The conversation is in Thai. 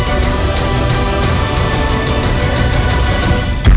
โปรดติดตามตอนต่อไป